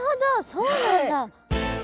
そうなんだ。